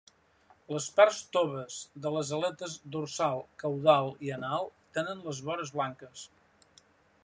Les parts toves de les aletes dorsal, caudal i anal tenen les vores blanques.